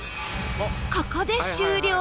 ここで終了